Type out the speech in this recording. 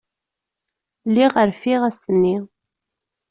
Lliɣ rfiɣ ass-nni.